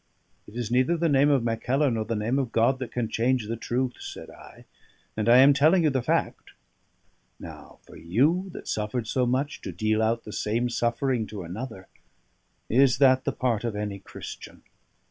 "It is neither the name of Mackellar nor the name of God that can change the truth," said I; "and I am telling you the fact. Now for you, that suffered so much, to deal out the same suffering to another, is that the part of any Christian?